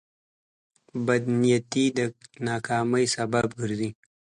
بد نیت د ناکامۍ سبب ګرځي.